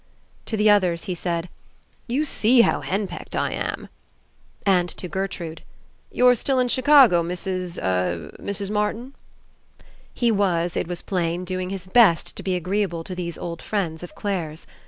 To the others he said: "You see how hen pecked I am." And to Gertrude: "You're still in Chi cago, Mrs. — er — Mrs. Martin?" He was, it was plain, doing his best to be agreeable to these old friends of Clare's.